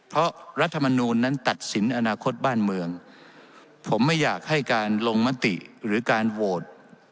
เพราะรัฐมนูลนั้นตัดสินอนาคตบ้านเมืองผมไม่อยากให้การลงมติหรือการโหวต